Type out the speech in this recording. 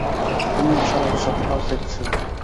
তুমি আসার আগে সব পার্ফেক্ট ছিল।